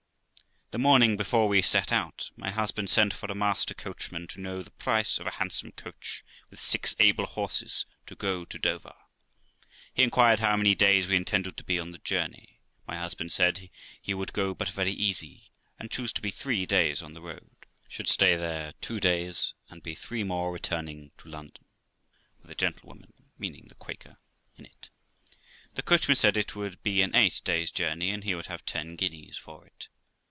The morning before we set out, my husband sent for a master coachman to know the price of a handsome coach, with six able horses, to go to Dover. He inquired how many days we intended to be on the journey? My husband said he would go but very easy, and chose to be three days on the road ; that they should stay there two days, and be three more returning to London, with a gentlewoman (meaning the Quaker) in it. The coachman said it would be an eight days' journey, and he would have ten guineas for it.